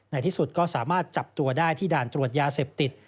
ในที่สุดก็สามารถจับตัวได้ที่ด่านตรวจยาเสพติด